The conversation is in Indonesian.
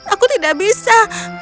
aku tidak bisa